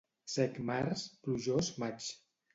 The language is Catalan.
Sec març, plujós maig.